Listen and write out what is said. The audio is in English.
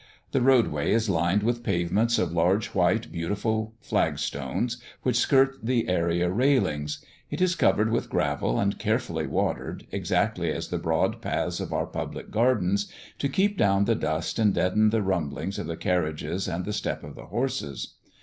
The roadway is lined with pavements of large white beautiful flag stones, which skirt the area railings; it is covered with gravel, and carefully watered, exactly as the broad paths of our public gardens, to keep down the dust and deaden the rumbling of the carriages and the step of the horses.